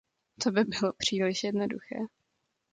To by bylo příliš jednoduché.